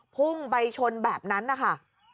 พุ่งไปชนแบบนั้นนะคะ